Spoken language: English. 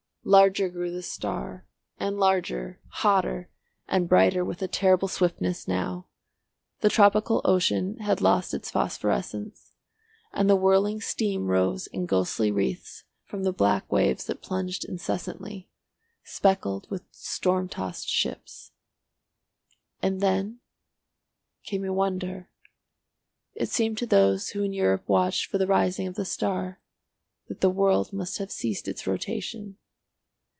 Larger grew the star, and larger, hotter, and brighter with a terrible swiftness now. The tropical ocean had lost its phosphorescence, and the whirling steam rose in ghostly wreaths from the black waves that plunged incessantly, speckled with storm tossed ships. And then came a wonder. It seemed to those who in Europe watched for the rising of the star that the world must have ceased its rotation.